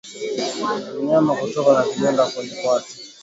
Mnyama kutokwa na vidonda kwenye kwato